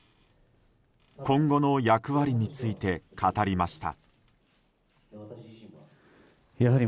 今後の役割について語りました。